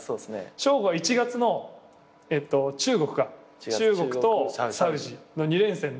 彰悟は１月の中国とサウジの２連戦で。